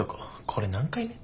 これ何回目？